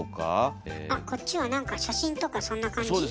あっこっちは何か写真とかそんな感じ？